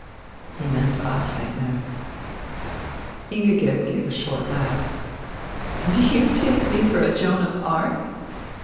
He meant Achleitner. Ingigerd gave a short laugh. "Do you take me for Joan of Arc?"